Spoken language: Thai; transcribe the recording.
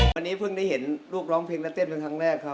วันนี้เพิ่งได้เห็นลูกร้องเพลงและเต้นเป็นครั้งแรกครับ